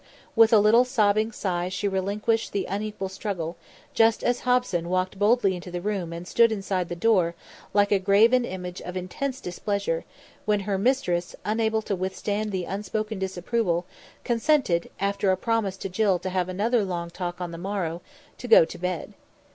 With a little sobbing sigh she relinquished the unequal struggle, just as Hobson walked boldly into the room and stood inside the door, like a graven image of intense displeasure, when her mistress, unable to withstand the unspoken disapproval, consented, after a promise to Jill to have another long talk on the morrow, to go to bed.